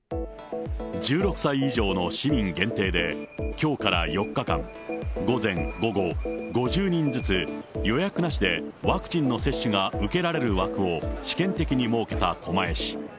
１６歳以上の市民限定で、きょうから４日間、午前、午後５０人ずつ、予約なしでワクチンの接種が受けられる枠を試験的に設けた狛江市。